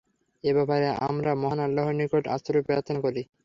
এ ব্যাপারে আমরা মহান আল্লাহর নিকট আশ্রয় প্রার্থনা করি।